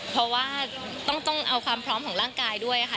เพราะว่าต้องเอาความพร้อมของร่างกายด้วยค่ะ